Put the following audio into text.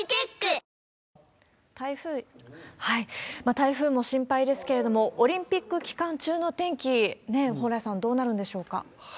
台風も心配ですけれども、オリンピック期間中の天気、蓬莱さん、どうなるんでしょうか？